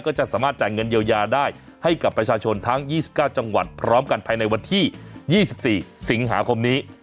ก็จะสามารถจ่ายเงินเยียวยาได้ให้กับประชาชนทั้ง๒๙จังหวัดพร้อมกันภายในวันที่๒๔สิงหาคมนี้